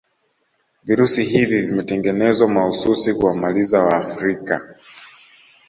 virusi hivi vimetengenezwa mahususi kuwamaliza waafrika